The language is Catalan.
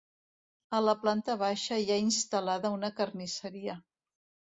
A la planta baixa hi ha instal·lada una carnisseria.